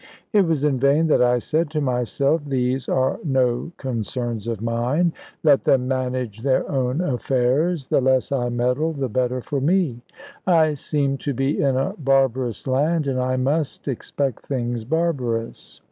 It was in vain that I said to myself, "these are no concerns of mine: let them manage their own affairs: the less I meddle, the better for me: I seem to be in a barbarous land, and I must expect things barbarous.